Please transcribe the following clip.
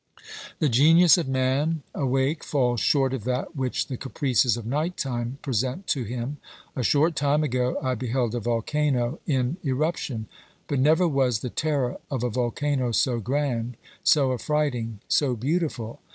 The genius of man awake falls short of that which the caprices of night time present to him. A short time ago I beheld a volcano in eruption, but never was the terror of a volcano so grand, so affrighting, so beautiful.